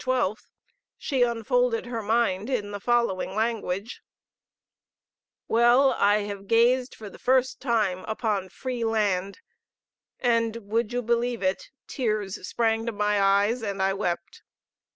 12th, she unfolded her mind in the following language: "Well, I have gazed for the first time upon Free Land, and, would you believe it, tears sprang to my eyes, and I wept.